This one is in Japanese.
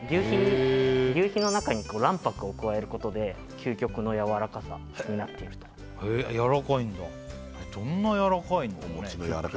求肥の中に卵白を加えることで究極のやわらかさになっているとへえやわらかいんだどんなやわらかいのかね